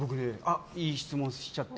いい質問しちゃった。